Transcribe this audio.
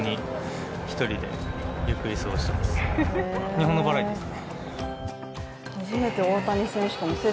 日本のバラエティーです。